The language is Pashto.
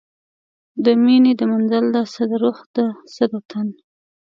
د میینې د منزل ده، څه د روح ده څه د تن